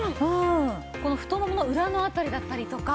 この太ももの裏の辺りだったりとか。